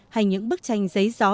hay những bức tranh giấy gió